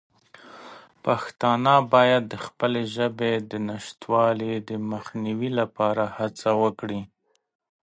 پښتانه باید د خپلې ژبې د نشتوالي د مخنیوي لپاره هڅه وکړي.